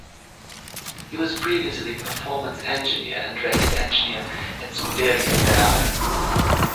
He was previously Performance Engineer and Race Engineer at Scuderia Ferrari.